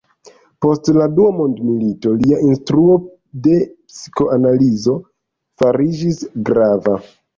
Post la dua mondmilito lia instruo de psikoanalizo fariĝis grava.